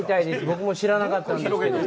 僕も知らなかったんですけど。